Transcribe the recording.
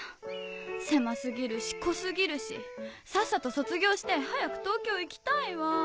狭過ぎるし濃過ぎるしさっさと卒業して早く東京行きたいわ。